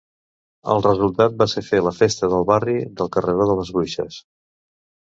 El resultat va ser fer la festa del barri del Carreró de les Bruixes.